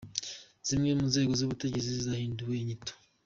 Zimwe mu nzego z’ubutegetsi zahinduriwe inyito.